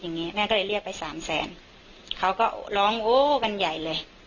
อย่างเงี้แม่ก็เลยเรียกไปสามแสนเขาก็ร้องโอ้กันใหญ่เลย